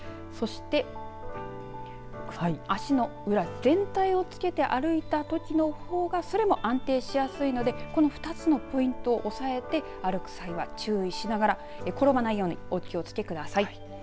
そして足の裏全体をつけて歩いたときのほうがそれも安定しやすいのでこの２つのポイントを押さえて歩く際は注意しながら転ばないようにお気をつけください。